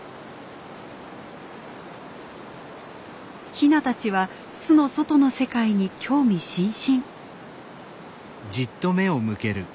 ヒナたちは巣の外の世界に興味津々。